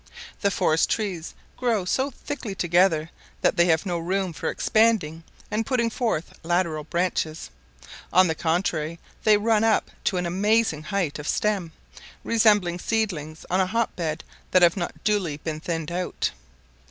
The forest trees grow so thickly together that they have no room for expanding and putting forth lateral branches; on the contrary, they run up to an amazing height of stem, resembling seedlings on a hot bed that have not duly been thinned out.